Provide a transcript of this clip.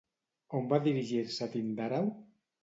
On va dirigir-se Tindàreu?